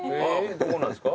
どこなんですか？